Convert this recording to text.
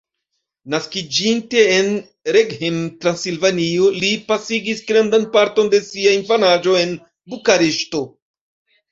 Naskiĝinte en Reghin, Transilvanio, li pasigis grandan parton de sia infanaĝo en Bukareŝto.